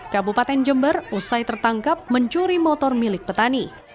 kabupaten jember usai tertangkap mencuri motor milik petani